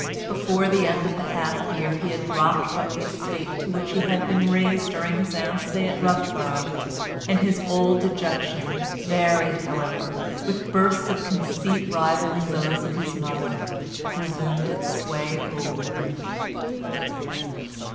Before the end of the half year he had dropped from the estate to which he had been raised during his aunt's stay at Roughborough, and his old dejection, varied, however, with bursts of conceit rivalling those of his mother, resumed its sway over him.